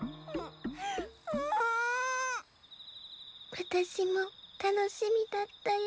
わたしもたのしみだったよ。